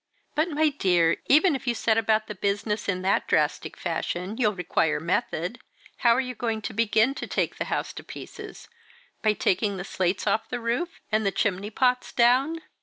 "But, my dear, even if you set about the business in that drastic fashion, you'll require method. How are you going to begin to take the house to pieces by taking the slates off the roof, and the chimney pots down?"